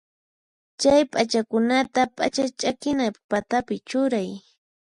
Chay p'achakunata p'acha ch'akina patapi churay.